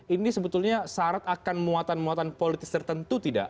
ini sebetulnya syarat akan muatan muatan politis tertentu tidak